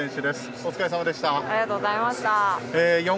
お疲れさまでした。